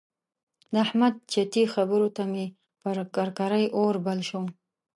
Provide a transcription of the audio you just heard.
د احمد چټي خبرو ته مې پر ککرۍ اور بل شو.